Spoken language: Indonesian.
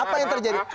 apa yang terjadi